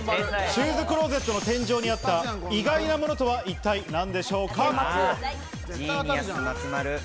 シューズクローゼットの天井にあった意外なものとは一体何でしょうか？